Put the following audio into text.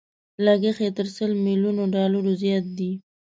لګښت يې تر سل ميليونو ډالرو زيات دی.